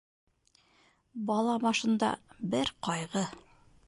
Бала башында бер ҡайғы